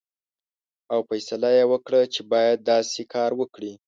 او فیصله یې وکړه چې باید داسې کار وکړي.